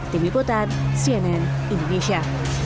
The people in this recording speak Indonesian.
tim iputan cnn indonesia